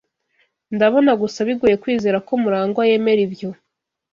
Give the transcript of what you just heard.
Ndabona gusa bigoye kwizera ko MuragwA yemera ibyo.